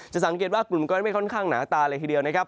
สังเกตว่ากลุ่มก้อนเมฆค่อนข้างหนาตาเลยทีเดียวนะครับ